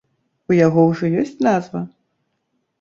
У яго ўжо ёсць назва?